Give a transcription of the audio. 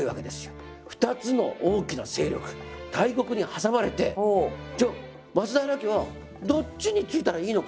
２つの大きな勢力大国に挟まれてじゃあ松平家はどっちについたらいいのか。